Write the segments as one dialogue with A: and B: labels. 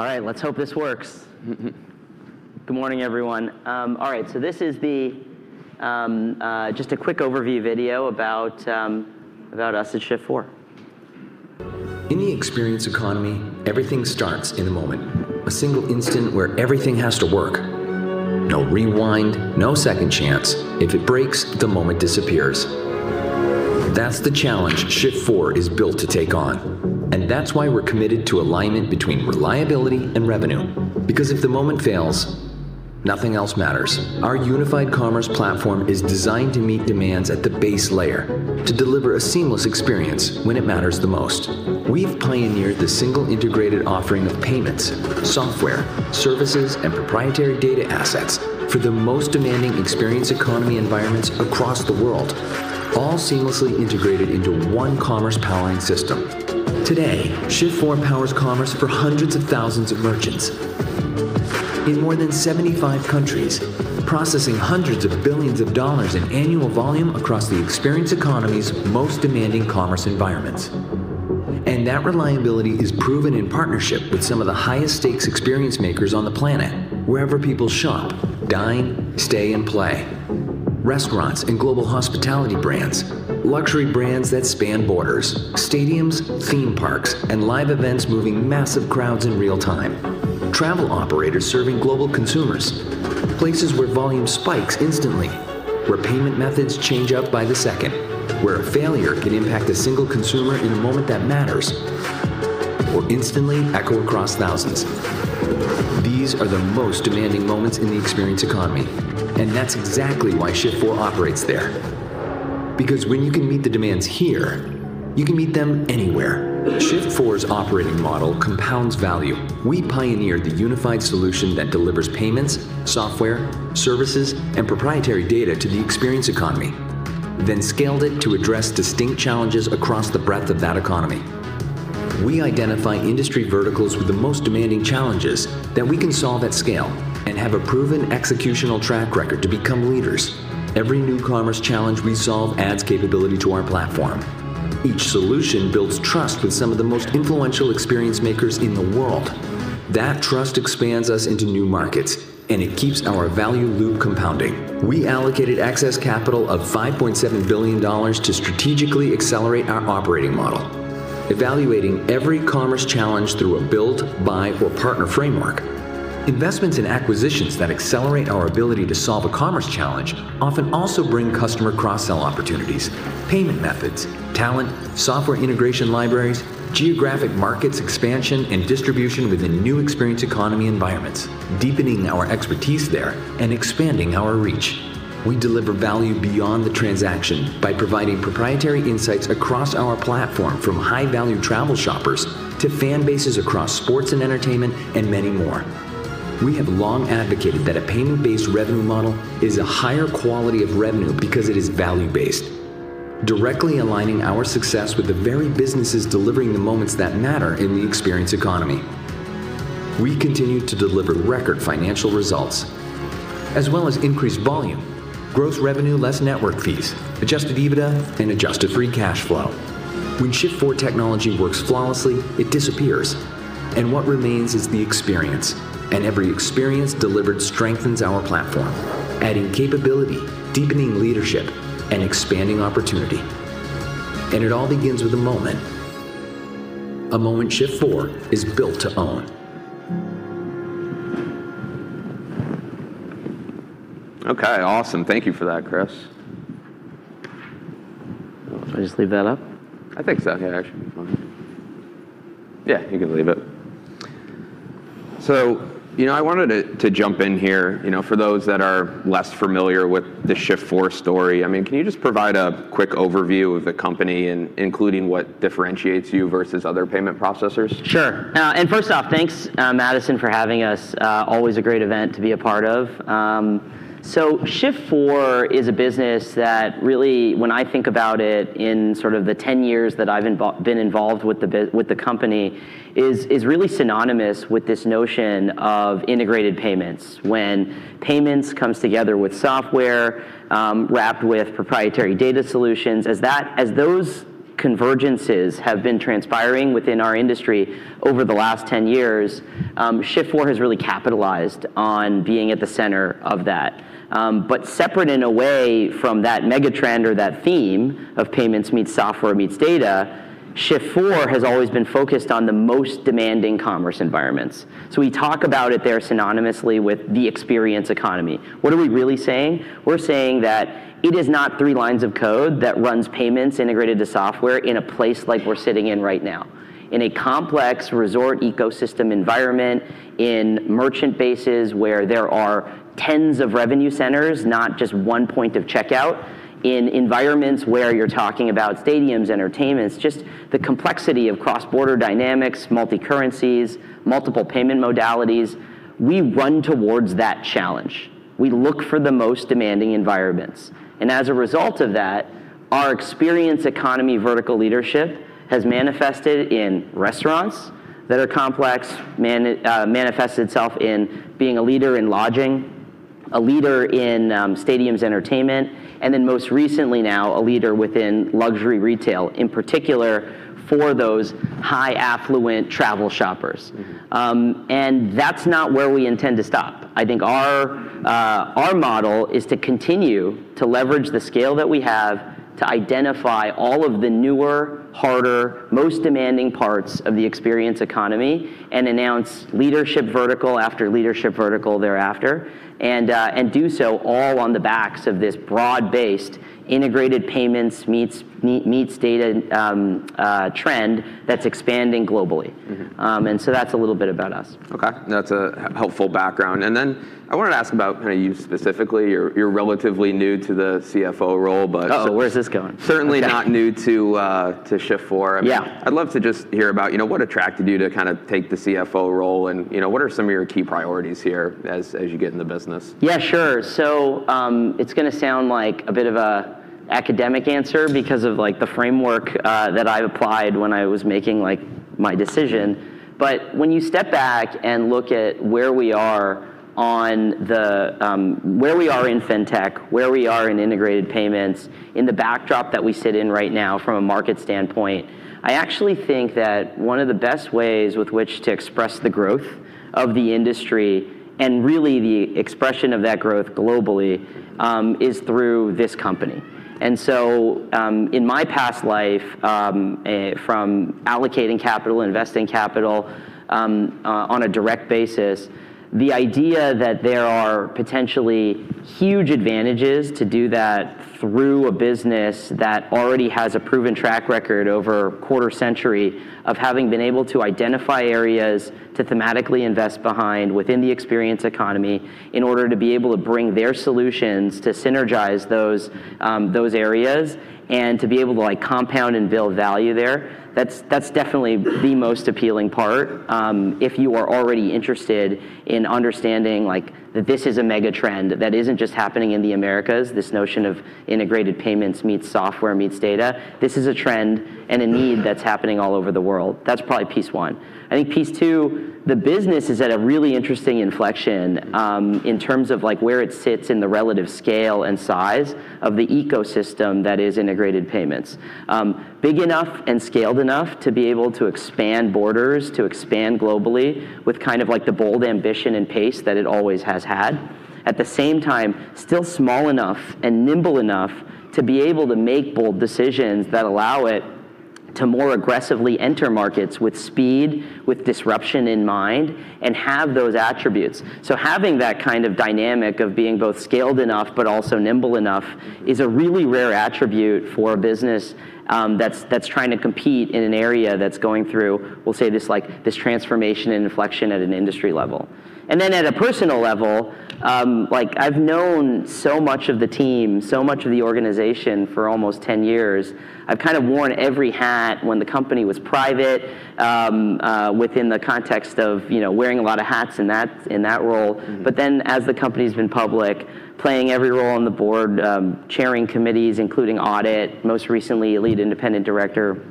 A: All right, let's hope this works. Good morning, everyone. All right, this is the just a quick overview video about us at Shift4.
B: In the experience economy, everything starts in a moment. A single instant where everything has to work. No rewind, no second chance. If it breaks, the moment disappears. That's the challenge Shift4 is built to take on, and that's why we're committed to alignment between reliability and revenue. Because if the moment fails, nothing else matters. Our unified commerce platform is designed to meet demands at the base layer to deliver a seamless experience when it matters the most. We've pioneered the single integrated offering of payments, software, services, and proprietary data assets for the most demanding experience economy environments across the world, all seamlessly integrated into one commerce powering system. Today, Shift4 powers commerce for hundreds of thousands of merchants in more than 75 countries, processing hundreds of billions of dollars in annual volume across the experience economy's most demanding commerce environments. That reliability is proven in partnership with some of the highest stakes experience makers on the planet, wherever people shop, dine, stay, and play. Restaurants and global hospitality brands, luxury brands that span borders, stadiums, theme parks, and live events moving massive crowds in real time, travel operators serving global consumers, places where volume spikes instantly, where payment methods change up by the second, where a failure can impact a single consumer in a moment that matters or instantly echo across thousands. These are the most demanding moments in the experience economy, and that's exactly why Shift4 operates there. Because when you can meet the demands here, you can meet them anywhere. Shift4's operating model compounds value. We pioneered the unified solution that delivers payments, software, services, and proprietary data to the experience economy, then scaled it to address distinct challenges across the breadth of that economy. We identify industry verticals with the most demanding challenges that we can solve at scale and have a proven executional track record to become leaders. Every new commerce challenge we solve adds capability to our platform. Each solution builds trust with some of the most influential experience makers in the world. It keeps our value loop compounding. We allocated excess capital of $5.7 billion to strategically accelerate our operating model, evaluating every commerce challenge through a build, buy, or partner framework. Investments and acquisitions that accelerate our ability to solve a commerce challenge often also bring customer cross-sell opportunities, payment methods, talent, software integration libraries, geographic markets expansion, and distribution within new experience economy environments, deepening our expertise there and expanding our reach. We deliver value beyond the transaction by providing proprietary insights across our platform from high-value travel shoppers to fan bases across sports and entertainment and many more. We have long advocated that a payments-based revenue model is a higher quality of revenue because it is value-based, directly aligning our success with the very businesses delivering the moments that matter in the experience economy. We continue to deliver record financial results as well as increased volume, Gross Revenue Less Network Fees, Adjusted EBITDA, and Adjusted Free Cash Flow. When Shift4 technology works flawlessly, it disappears, and what remains is the experience. Every experience delivered strengthens our platform, adding capability, deepening leadership, and expanding opportunity. It all begins with a moment, a moment Shift4 is built to own.
A: Okay, awesome. Thank you for that, Chris.
C: Oh, do I just leave that up?
A: I think so.
C: Yeah, that should be fine.
A: Yeah, you can leave it. You know, I wanted to jump in here, you know, for those that are less familiar with the Shift4 story. I mean, can you just provide a quick overview of the company including what differentiates you versus other payment processors?
C: Sure. First off, thanks, Madison, for having us. Always a great event to be a part of. Shift4 is a business that really, when I think about it in sort of the ten years that I've been involved with the company, is really synonymous with this notion of integrated payments. When payments comes together with software, wrapped with proprietary data solutions, as those convergences have been transpiring within our industry over the last ten years, Shift4 has really capitalized on being at the center of that. Separate and away from that megatrend or that theme of payments meets software meets data, Shift4 has always been focused on the most demanding commerce environments. We talk about it there synonymously with the experience economy. What are we really saying? We're saying that it is not 3 lines of code that runs payments integrated to software in a place like we're sitting in right now. In a complex resort ecosystem environment, in merchant bases where there are tens of revenue centers, not just one point of checkout, in environments where you're talking about stadiums, entertainments, just the complexity of cross-border dynamics, multi-currencies, multiple payment modalities, we run towards that challenge. We look for the most demanding environments. As a result of that, our experience economy vertical leadership has manifested in restaurants that are complex, manifested itself in being a leader in lodging A leader in stadiums entertainment, and then most recently now, a leader within luxury retail, in particular for those high affluent travel shoppers.
A: Mm-hmm.
C: That's not where we intend to stop. I think our model is to continue to leverage the scale that we have to identify all of the newer, harder, most demanding parts of the experience economy and announce leadership vertical after leadership vertical thereafter. do so all on the backs of this broad-based integrated payments meets data trend that's expanding globally.
A: Mm-hmm.
C: That's a little bit about us.
A: Okay. That's a helpful background. I wanted to ask about kind of you specifically. You're relatively new to the CFO role.
C: Uh-oh, where's this going?
A: Certainly not new to Shift4.
C: Yeah.
A: I mean, I'd love to just hear about, you know, what attracted you to kind of take the CFO role and, you know, what are some of your key priorities here as you get in the business?
C: Yeah, sure. It's gonna sound like a bit of a academic answer because of, like, the framework that I applied when I was making, like, my decision. When you step back and look at where we are on the, where we are in fintech, where we are in integrated payments, in the backdrop that we sit in right now from a market standpoint, I actually think that one of the best ways with which to express the growth of the industry and really the expression of that growth globally, is through this company. In my past life, from allocating capital, investing capital, on a direct basis, the idea that there are potentially huge advantages to do that through a business that already has a proven track record over a quarter century of having been able to identify areas to thematically invest behind within the experience economy in order to be able to bring their solutions to synergize those areas and to be able to compound and build value there, that's definitely the most appealing part. If you are already interested in understanding that this is a mega trend that isn't just happening in the Americas, this notion of integrated payments meets software meets data. This is a trend and a need that's happening all over the world. That's probably piece one. I think piece two, the business is at a really interesting inflection, in terms of, like, where it sits in the relative scale and size of the ecosystem that is integrated payments. Big enough and scaled enough to be able to expand borders, to expand globally with kind of like the bold ambition and pace that it always has had. At the same time, still small enough and nimble enough to be able to make bold decisions that allow it to more aggressively enter markets with speed, with disruption in mind, and have those attributes. Having that kind of dynamic of being both scaled enough but also nimble enough is a really rare attribute for a business that's trying to compete in an area that's going through, we'll say this, like, this transformation and inflection at an industry level. At a personal level, like I've known so much of the team, so much of the organization for almost 10 years. I've kind of worn every hat when the company was private, within the context of, you know, wearing a lot of hats in that, in that role.
A: Mm-hmm.
C: As the company's been public, playing every role on the board, chairing committees, including audit, most recently Lead Independent Director.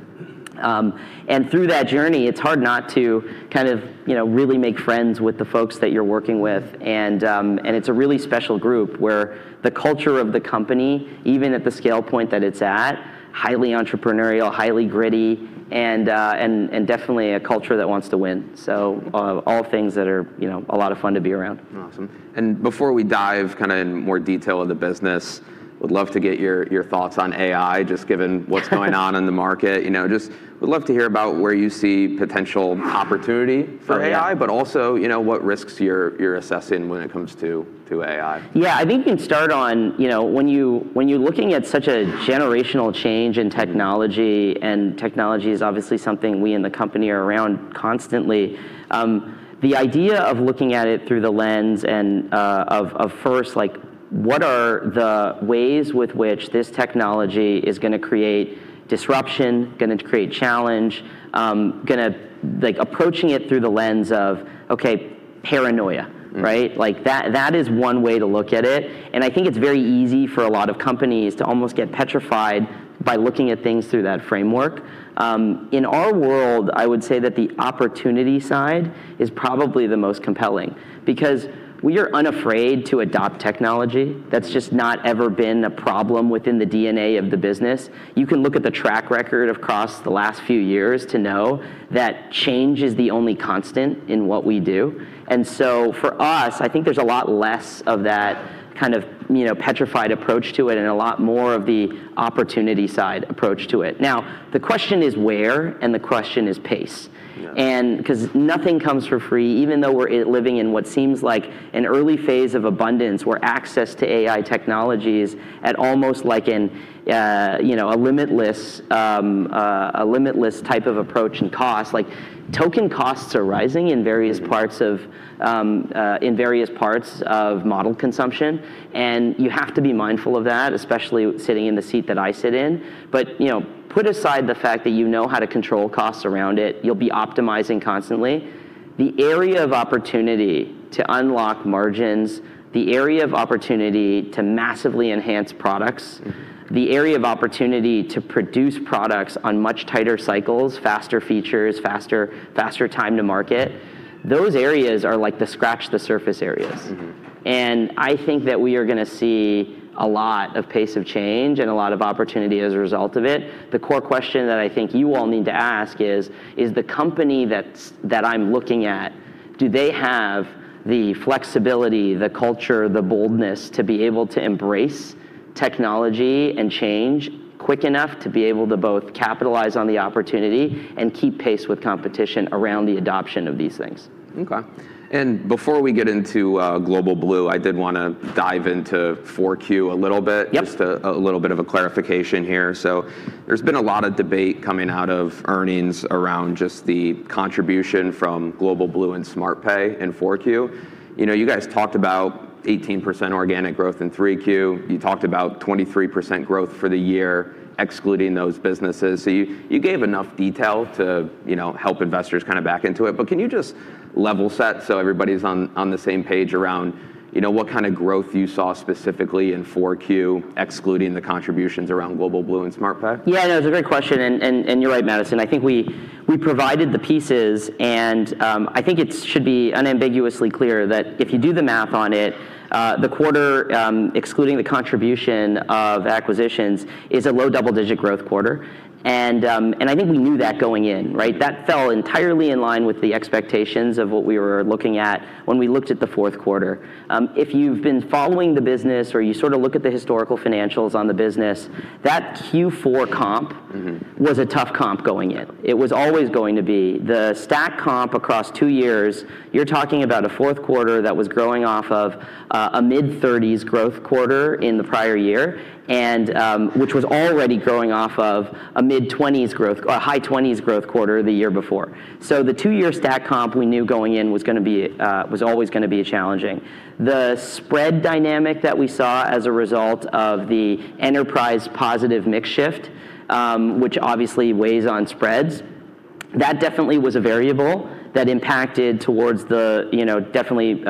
C: Through that journey, it's hard not to kind of, you know, really make friends with the folks that you're working with. It's a really special group where the culture of the company, even at the scale point that it's at, highly entrepreneurial, highly gritty, and definitely a culture that wants to win. All things that are, you know, a lot of fun to be around.
A: Awesome. Before we dive kind of in more detail of the business, would love to get your thoughts on AI, just given what's going on in the market. You know, just would love to hear about where you see potential opportunity for AI, but also, you know, what risks you're assessing when it comes to AI.
C: Yeah. I think you can start on, you know, when you, when you're looking at such a generational change in technology, and technology is obviously something me and the company are around constantly, the idea of looking at it through the lens and of first, like, what are the ways with which this technology is gonna create disruption, gonna create challenge. Like approaching it through the lens of, okay, paranoia, right? Like that is one way to look at it, and I think it's very easy for a lot of companies to almost get petrified by looking at things through that framework. In our world, I would say that the opportunity side is probably the most compelling because we are unafraid to adopt technology. That's just not ever been a problem within the DNA of the business. You can look at the track record across the last few years to know that change is the only constant in what we do. For us, I think there's a lot less of that kind of, you know, petrified approach to it and a lot more of the opportunity side approach to it. Now, the question is where, and the question is pace.
A: Yeah.
C: Because nothing comes for free, even though we're living in what seems like an early phase of abundance, where access to AI technology is at almost like an, you know, a limitless, a limitless type of approach and cost. Like token costs are rising in various parts of, in various parts of model consumption, and you have to be mindful of that, especially sitting in the seat that I sit in. You know, put aside the fact that you know how to control costs around it, you'll be optimizing constantly. The area of opportunity to unlock margins, the area of opportunity to massively enhance products, the area of opportunity to produce products on much tighter cycles, faster features, faster time to market, those areas are like the scratch the surface areas.
A: Mm-hmm.
C: I think that we are gonna see a lot of pace of change and a lot of opportunity as a result of it. The core question that I think you all need to ask is: Is the company that I'm looking at, do they have the flexibility, the culture, the boldness to be able to embrace technology and change quick enough to be able to both capitalize on the opportunity and keep pace with competition around the adoption of these things?
A: Okay. Before we get into Global Blue, I did want to dive into 4Q a little bit.
C: Yep.
A: Just a little bit of a clarification here. There's been a lot of debate coming out of earnings around just the contribution from Global Blue and SmartPay in 4Q. You know, you guys talked about 18% organic growth in 3Q. You talked about 23% growth for the year excluding those businesses. You gave enough detail to, you know, help investors kind of back into it. Can you just level set so everybody's on the same page around, you know, what kind of growth you saw specifically in 4Q excluding the contributions around Global Blue and SmartPay?
C: Yeah, no, it's a great question and you're right, Madison. I think we provided the pieces and I think it should be unambiguously clear that if you do the math on it, the quarter, excluding the contribution of acquisitions is a low double-digit growth quarter. I think we knew that going in, right? That fell entirely in line with the expectations of what we were looking at when we looked at the fourth quarter. If you've been following the business or you sorta look at the historical financials on the business, that Q4 comp
A: Mm-hmm...
C: was a tough comp going in. It was always going to be. The stack comp across 2 years, you're talking about a fourth quarter that was growing off of a mid-30s growth quarter in the prior year and which was already growing off of a mid-20s growth or a high 20s growth quarter the year before. The two-year stack comp we knew going in was always gonna be challenging. The spread dynamic that we saw as a result of the enterprise positive mix shift, which obviously weighs on spreads, that definitely was a variable that impacted towards the, you know, definitely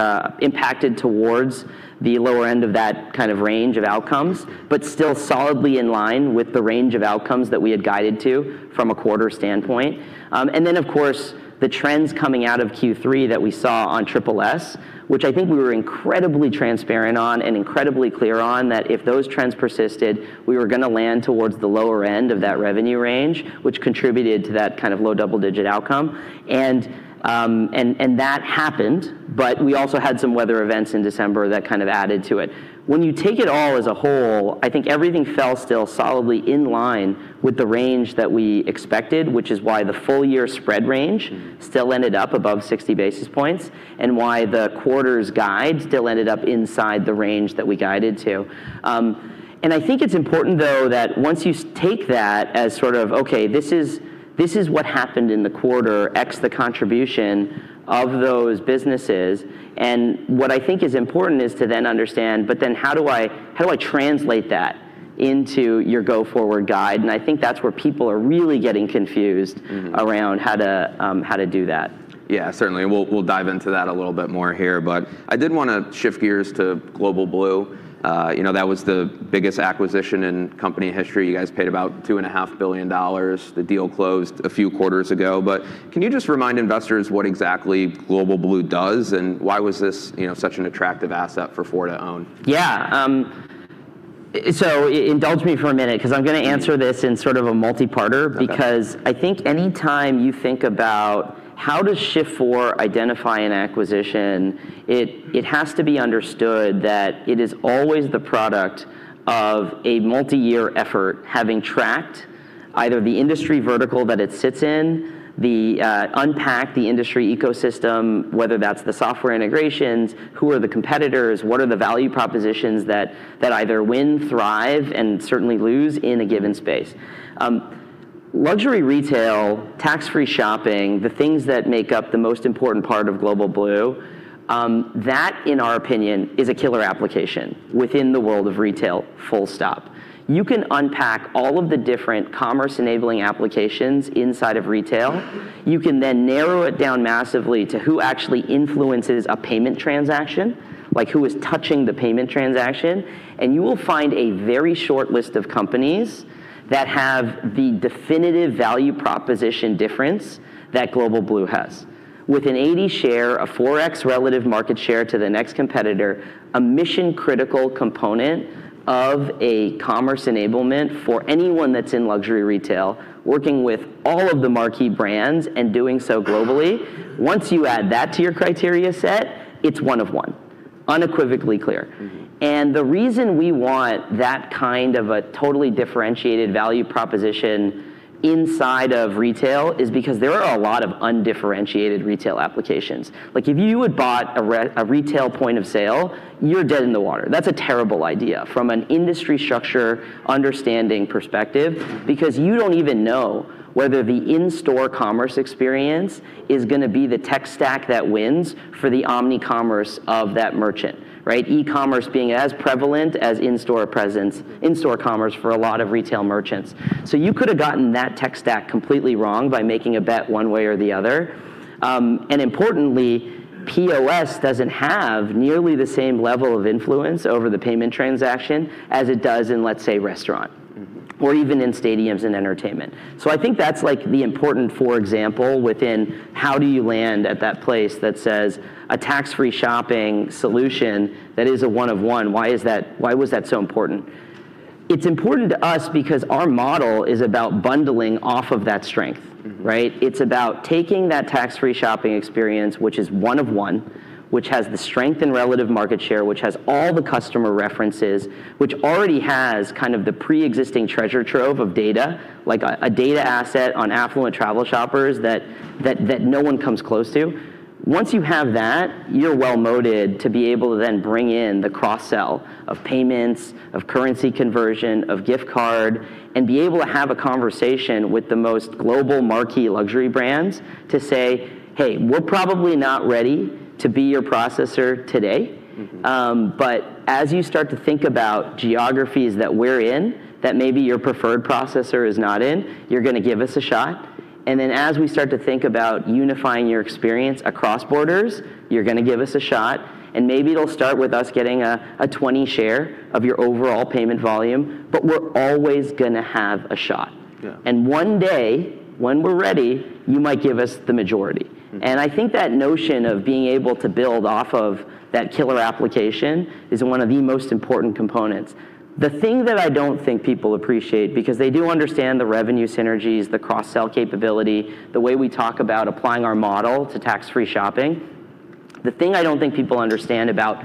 C: impacted towards the lower end of that kind of range of outcomes, but still solidly in line with the range of outcomes that we had guided to from a quarter standpoint. Of course, the trends coming out of Q3 that we saw on Triple S, which I think we were incredibly transparent on and incredibly clear on, that if those trends persisted, we were gonna land towards the lower end of that revenue range, which contributed to that kind of low double-digit outcome. That happened, but we also had some weather events in December that kind of added to it. When you take it all as a whole, I think everything fell still solidly in line with the range that we expected, which is why the full year spread range still ended up above 60 basis points and why the quarter's guide still ended up inside the range that we guided to. I think it's important though that once you take that as sort of, okay, this is what happened in the quarter, X the contribution of those businesses, and what I think is important is to then understand, how do I translate that into your go forward guide? I think that's where people are really getting confused.
A: Mm-hmm...
C: around how to, how to do that.
A: Yeah, certainly. We'll dive into that a little bit more here. I did want to shift gears to Global Blue. You know, that was the biggest acquisition in company history. You guys paid about two and a half billion dollars. The deal closed a few quarters ago. Can you just remind investors what exactly Global Blue does, and why was this, you know, such an attractive asset for Shift4 to own?
C: Yeah. Indulge me for a minute 'cause I'm gonna answer this in sort of a multi-parter.
A: Okay.
C: I think any time you think about how does Shift4 identify an acquisition, it has to be understood that it is always the product of a multi-year effort having tracked either the industry vertical that it sits in, the unpack the industry ecosystem, whether that's the software integrations, who are the competitors, what are the value propositions that either win, thrive and certainly lose in a given space. Luxury retail, tax-free shopping, the things that make up the most important part of Global Blue, that in our opinion is a killer application within the world of retail full stop. You can unpack all of the different commerce-enabling applications inside of retail. You can narrow it down massively to who actually influences a payment transaction, like who is touching the payment transaction, and you will find a very short list of companies that have the definitive value proposition difference that Global Blue has. With an 80% share, a 4x relative market share to the next competitor, a mission-critical component of a commerce enablement for anyone that's in luxury retail working with all of the marquee brands and doing so globally, once you add that to your criteria set, it's 1 of 1. Unequivocally clear.
A: Mm-hmm.
C: The reason we want that kind of a totally differentiated value proposition inside of retail is because there are a lot of undifferentiated retail applications. Like if you had bought a retail point of sale, you're dead in the water. That's a terrible idea from an industry structure understanding perspective because you don't even know whether the in-store commerce experience is going to be the tech stack that wins for the omnicommerce of that merchant, right? E-commerce being as prevalent as in-store presence, in-store commerce for a lot of retail merchants. You could've gotten that tech stack completely wrong by making a bet one way or the other. And importantly, POS doesn't have nearly the same level of influence over the payment transaction as it does in, let's say, restaurant. Or even in stadiums and entertainment. I think that's like the important for example within how do you land at that place that says a tax-free shopping solution that is a one of one, why was that so important? It's important to us because our model is about bundling off of that strength, right? It's about taking that tax-free shopping experience, which is one of one, which has the strength and relative market share, which has all the customer references, which already has kind of the pre-existing treasure trove of data, like a data asset on affluent travel shoppers that no one comes close to. Once you have that, you're well moated to be able to then bring in the cross-sell of payments, of currency conversion, of gift card, and be able to have a conversation with the most global marquee luxury brands to say, "Hey, we're probably not ready to be your processor today.
A: Mm-hmm.
C: As you start to think about geographies that we're in that maybe your preferred processor is not in, you're gonna give us a shot. As we start to think about unifying your experience across borders, you're gonna give us a shot, and maybe it'll start with us getting a 20 share of your overall payment volume, but we're always gonna have a shot.
A: Yeah.
C: One day, when we're ready, you might give us the majority.
A: Mm-hmm.
C: I think that notion of being able to build off of that killer application is one of the most important components. The thing that I don't think people appreciate, because they do understand the revenue synergies, the cross-sell capability, the way we talk about applying our model to tax-free shopping. The thing I don't think people understand about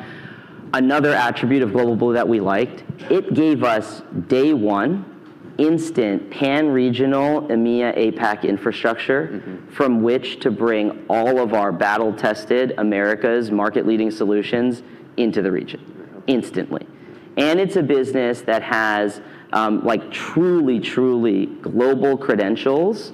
C: another attribute of Global Blue that we liked, it gave us day one instant pan-regional EMEA, APAC infrastructure.
A: Mm-hmm
C: ...from which to bring all of our battle-tested Americas market-leading solutions into the region instantly. It's a business that has, like truly global credentials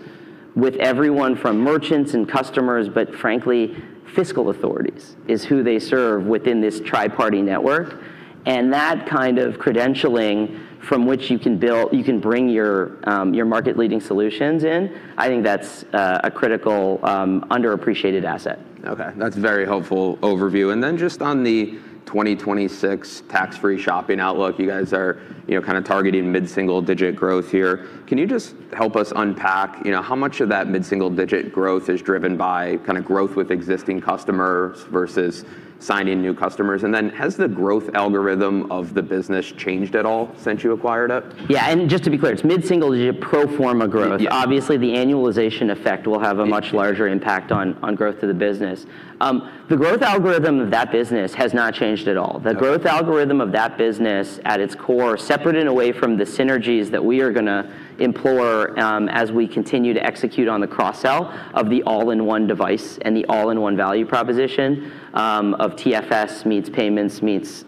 C: with everyone from merchants and customers, but frankly, fiscal authorities is who they serve within this tri-party network. That kind of credentialing from which you can bring your market-leading solutions in, I think that's a critical underappreciated asset.
A: Okay. That's a very helpful overview. Just on the 2026 tax-free shopping outlook, you guys are, you know, kind of targeting mid-single digit growth here. Can you just help us unpack, you know, how much of that mid-single digit growth is driven by kind of growth with existing customers versus signing new customers? Has the growth algorithm of the business changed at all since you acquired it?
C: Yeah. Just to be clear, it's mid-single digit pro forma growth.
A: Yeah.
C: Obviously, the annualization effect will have a much larger impact on growth of the business. The growth algorithm of that business has not changed at all.
A: Okay.
C: The growth algorithm of that business at its core, separate and away from the synergies that we are gonna implore, as we continue to execute on the cross-sell of the all-in-one device and the all-in-one value proposition, of TFS meets payments, meets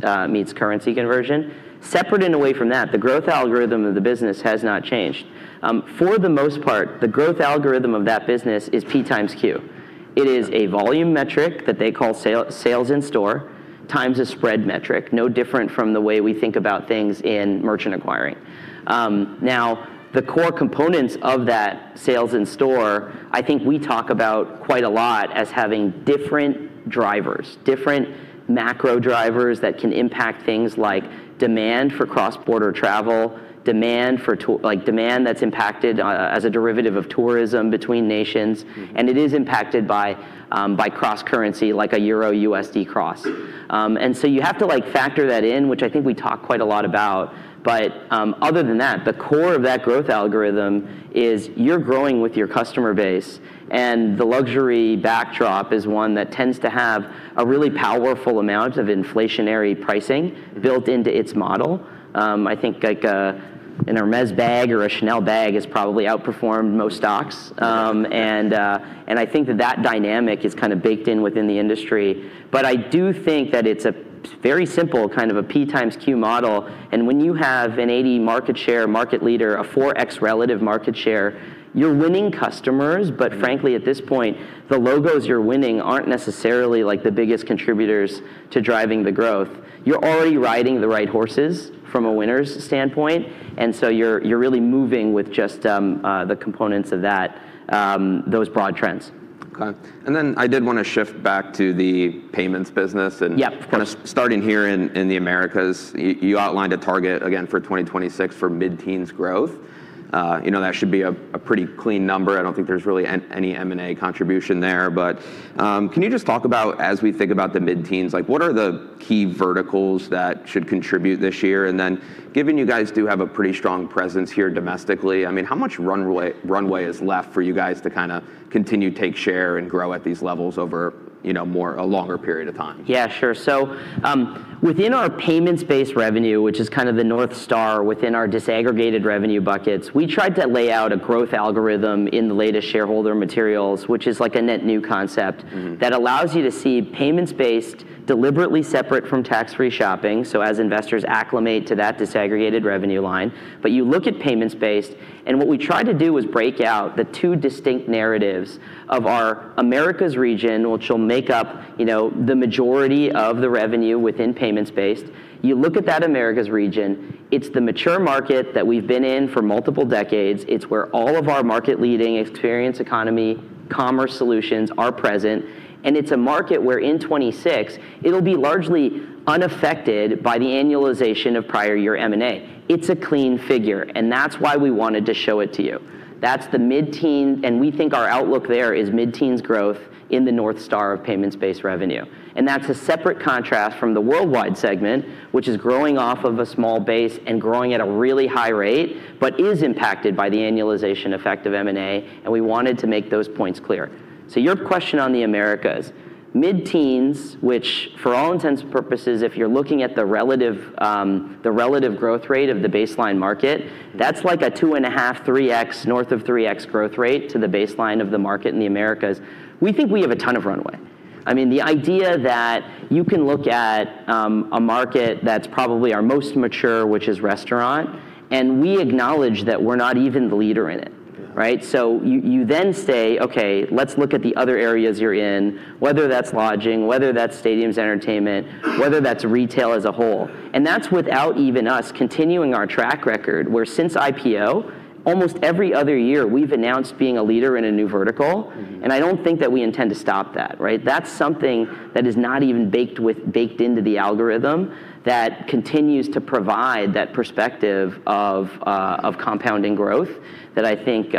C: currency conversion. Separate and away from that, the growth algorithm of the business has not changed. For the most part, the growth algorithm of that business is P times Q. It is a volume metric that they call Sales-in-Store, times a spread metric, no different from the way we think about things in merchant acquiring. The core components of that Sales-in-Store, I think we talk about quite a lot as having different drivers, different macro drivers that can impact things like demand for cross-border travel, demand for like demand that's impacted as a derivative of tourism between nations.
A: Mm-hmm.
C: It is impacted by cross-currency like a EUR-USD cross. You have to like factor that in, which I think we talk quite a lot about. Other than that, the core of that growth algorithm is you're growing with your customer base, and the luxury backdrop is one that tends to have a really powerful amount of inflationary pricing built into its model. I think like a, an Hermès bag or a Chanel bag has probably outperformed most stocks. I think that that dynamic is kinda baked in within the industry. I do think that it's a very simple kind of a P times Q model, and when you have an 80 market share, market leader, a 4x relative market share, you're winning customers.
A: Mm-hmm.
C: Frankly, at this point, the logos you're winning aren't necessarily like the biggest contributors to driving the growth. You're already riding the right horses from a winner's standpoint, and so you're really moving with just the components of that, those broad trends.
A: Okay. I did wanna shift back to the payments business.
C: Yeah, of course.
A: ...kinda starting here in the Americas. You outlined a target again for 2026 for mid-teens growth. You know, that should be a pretty clean number. I don't think there's really any M&A contribution there. Can you just talk about as we think about the mid-teens, like what are the key verticals that should contribute this year? Given you guys do have a pretty strong presence here domestically, I mean, how much runway is left for you guys to kinda continue to take share and grow at these levels over, you know, a longer period of time?
C: Yeah, sure. Within our payments-based revenue, which is kind of the North Star within our disaggregated revenue buckets, we tried to lay out a growth algorithm in the latest shareholder materials, which is like a net new concept-
A: Mm-hmm
C: ...that allows you to see payments-based deliberately separate from tax-free shopping, so as investors acclimate to that disaggregated revenue line. You look at payments-based, and what we tried to do was break out the two distinct narratives of our Americas region, which will make up, you know, the majority of the revenue within payments-based. You look at that Americas region, it's the mature market that we've been in for multiple decades. It's where all of our market-leading experience economy commerce solutions are present. It's a market where in 2026 it'll be largely unaffected by the annualization of prior year M&A. It's a clean figure, and that's why we wanted to show it to you. That's the mid-teen, and we think our outlook there is mid-teens growth in the North Star of payments-based revenue. That's a separate contrast from the worldwide segment, which is growing off of a small base and growing at a really high rate, but is impacted by the annualization effect of M&A, and we wanted to make those points clear. Your question on the Americas, mid-teens, which for all intents and purposes, if you're looking at the relative, the relative growth rate of the baseline market, that's like a 2.5x, 3x, north of 3x growth rate to the baseline of the market in the Americas. We think we have a ton of runway. I mean, the idea that you can look at a market that's probably our most mature, which is restaurant, and we acknowledge that we're not even the leader in it, right? You then say, "Okay, let's look at the other areas you're in," whether that's lodging, whether that's stadiums entertainment, whether that's retail as a whole. That's without even us continuing our track record, where since IPO, almost every other year we've announced being a leader in a new vertical.
A: Mm-hmm.
C: I don't think that we intend to stop that, right? That's something that is not even baked into the algorithm that continues to provide that perspective of compounding growth that I think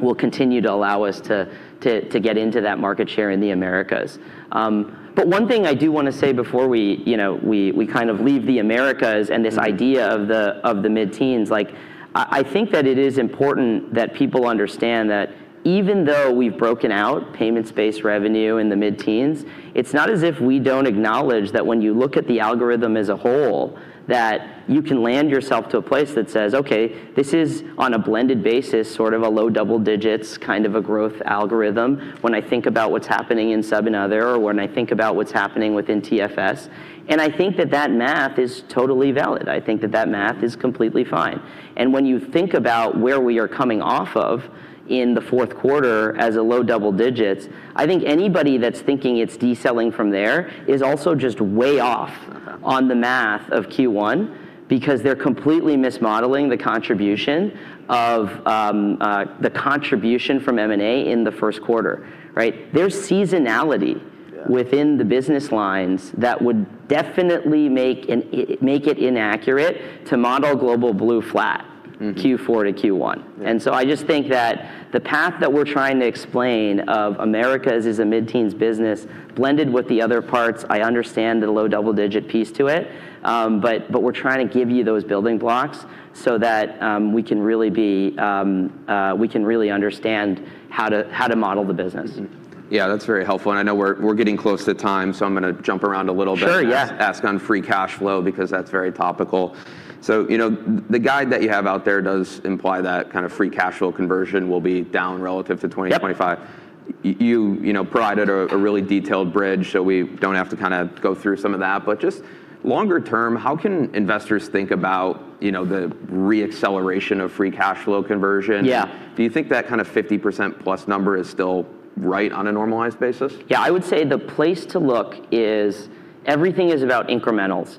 C: will continue to allow us to get into that market share in the Americas. One thing I do wanna say before we, you know, we kind of leave the Americas.
A: Mm-hmm
C: This idea of the, of the mid-teens. Like, I think that it is important that people understand that even though we've broken out payments-based revenue in the mid-teens, it's not as if we don't acknowledge that when you look at the algorithm as a whole, that you can land yourself to a place that says, "Okay, this is on a blended basis, sort of a low double digits kind of a growth algorithm," when I think about what's happening in Sub and other, or when I think about what's happening within TFS. I think that that math is totally valid. I think that that math is completely fine. When you think about where we are coming off of in the fourth quarter as a low double digits, I think anybody that's thinking it's deceling from there is also just way off on the math of Q1, because they're completely mismodeling the contribution from M&A in the first quarter, right? There's seasonality.
A: Yeah...
C: within the business lines that would definitely make it inaccurate to model Global Blue.
A: Mm ...
C: Q4 to Q1.
A: Yeah.
C: I just think that the path that we're trying to explain of Americas as a mid-teens business blended with the other parts, I understand the low double digit piece to it. But we're trying to give you those building blocks so that, we can really be, we can really understand how to model the business.
A: Mm-hmm. Yeah, that's very helpful. I know we're getting close to time, so I'm gonna jump around a little bit.
C: Sure, yeah.
A: ask on free cash flow because that's very topical. You know, the guide that you have out there does imply that kind of free cash flow conversion will be down relative to 2025.
C: Yep.
A: You know, provided a really detailed bridge, we don't have to kinda go through some of that. Just longer term, how can investors think about, you know, the re-acceleration of free cash flow conversion?
C: Yeah.
A: Do you think that kind of 50% plus number is still right on a normalized basis?
C: Yeah, I would say the place to look is everything is about incrementals.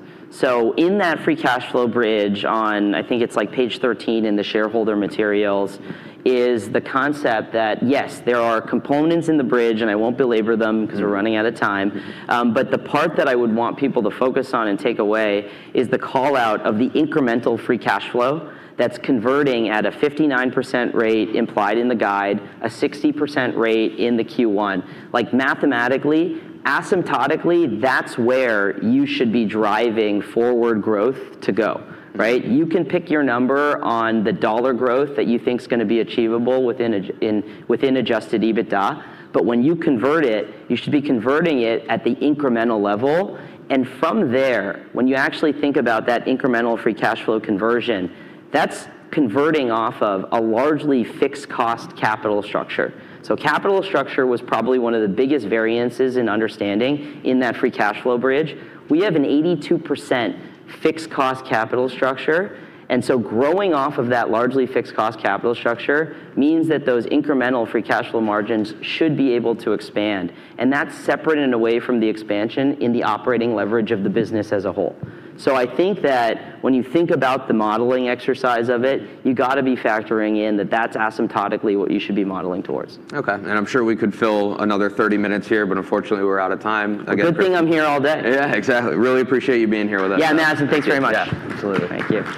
C: In that free cash flow bridge on, I think it's like page 13 in the shareholder materials, is the concept that, yes, there are components in the bridge, and I won't belabor them.
A: Mm
C: Because we're running out of time. The part that I would want people to focus on and take away is the callout of the incremental free cash flow that's converting at a 59% rate implied in the guide, a 60% rate in the Q1. Like, mathematically, asymptotically, that's where you should be driving forward growth to go, right?
A: Mm.
C: You can pick your number on the dollar growth that you think's gonna be achievable within Adjusted EBITDA. When you convert it, you should be converting it at the incremental level. From there, when you actually think about that incremental free cash flow conversion, that's converting off of a largely fixed cost capital structure. Capital structure was probably one of the biggest variances in understanding in that free cash flow bridge. We have an 82% fixed cost capital structure, growing off of that largely fixed cost capital structure means that those incremental free cash flow margins should be able to expand. That's separate and away from the expansion in the operating leverage of the business as a whole. I think that when you think about the modeling exercise of it, you gotta be factoring in that that's asymptotically what you should be modeling towards.
A: Okay. I'm sure we could fill another 30 minutes here, but unfortunately we're out of time.
C: Good thing I'm here all day.
A: Yeah, exactly. Really appreciate you being here with us.
C: Yeah, Madison, thanks very much.
A: Yeah, absolutely.
C: Thank you.